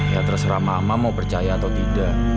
ya terserah mama mau percaya atau tidak